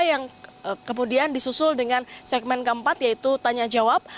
yang kemudian disusul dengan segmen keempat yaitu tanya jawab